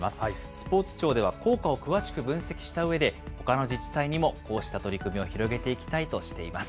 スポーツ庁では、効果を詳しく分析したうえで、ほかの自治体にもこうした取り組みを広げていきたいとしています。